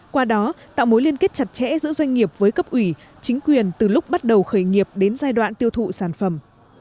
qua đó tạo mối liên kết chặt chẽ giữa doanh nghiệp với cấp ủy chính quyền từ lúc bắt đầu khởi nghiệp đến giai đoạn tiêu thụ sản phẩm